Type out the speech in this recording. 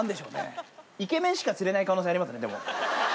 イケメンしか釣れない可能性ありますねでも。